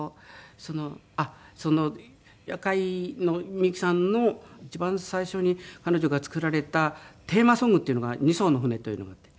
その『夜会』のみゆきさんの一番最初に彼女が作られたテーマソングっていうのが『二雙の舟』というのがあって。